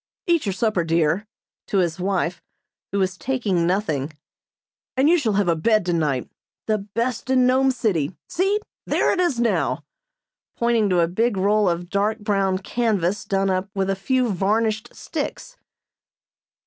"Eat your supper, dear," to his wife, who was taking nothing, "and you shall have a bed tonight the best in Nome City. See! There it is now," pointing to a big roll of dark brown canvas done up with a few varnished sticks.